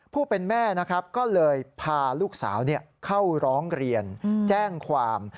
ผู้เป็นแม่นะครับก็เลยพาลูกสาวเข้าร้องเรียนแจ้งความ